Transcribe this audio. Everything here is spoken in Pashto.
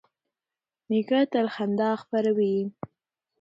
نیکه تل خندا خپروي.